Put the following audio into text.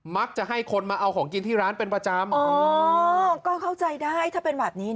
มักจะให้คนมาเอาของกินที่ร้านเป็นประจำอ๋อก็เข้าใจได้ถ้าเป็นแบบนี้